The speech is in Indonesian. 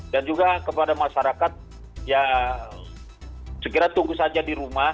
dan juga kepada masyarakat ya segera tunggu saja di rumah